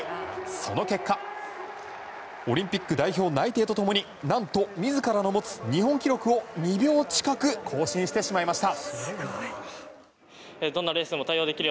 その結果オリンピック代表内定と共に何と自らの持つ日本記録を２秒近く更新してしまいました。